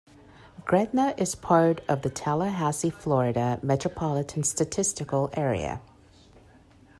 Gretna is part of the Tallahassee, Florida Metropolitan Statistical Area.